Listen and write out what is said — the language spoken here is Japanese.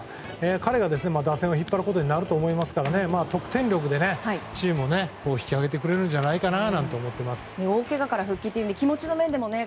彼が打線を引っ張ることになると思いますから得点力でチームを引き上げてくれるんじゃないかなと大けがから復帰で気持ちの面でもね。